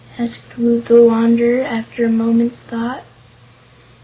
asked Woot the Wanderer, after a moment's thought.